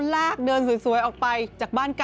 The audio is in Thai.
ลากเดินสวยออกไปจากบ้านเก่า